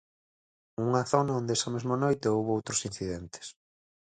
Unha zona onde esa mesma noite houbo outros incidentes.